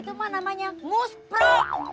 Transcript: itu mah namanya muspro